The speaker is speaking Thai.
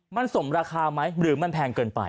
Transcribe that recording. มันสมราคาไหมหรือมันแพงเกินไป